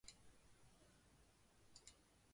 治所约在今越南广治省海陵县和肇丰县的北部。